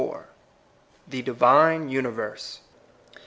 THE DIVINE UNIVERSE.